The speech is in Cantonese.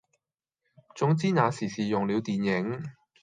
總之那時是用了電影，